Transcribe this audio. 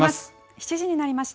７時になりました。